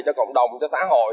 cho cộng đồng cho xã hội